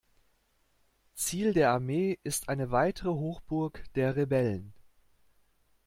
Ziel der Armee ist eine weitere Hochburg der Rebellen.